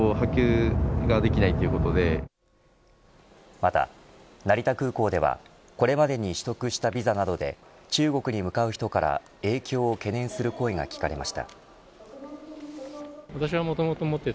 また、成田空港ではこれまでに取得したビザなどで中国に向かう人から、影響を懸念する声が聞かれました。